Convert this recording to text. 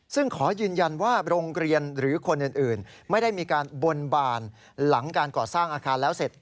ซึ่งขอยืนยันว่าโรงเรียนหรือคนอื่นไม่ได้มีการบนบานหลังการก่อสร้างอาคารแล้วเสร็จ